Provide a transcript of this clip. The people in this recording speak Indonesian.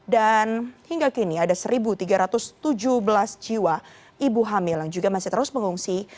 dan hingga kini ada satu tiga ratus tujuh belas jiwa ibu hamil yang juga masih terus pengungsi